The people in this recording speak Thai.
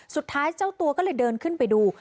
สุดท้ายเจ้าตัวก็เลยเดินขึ้นไปดู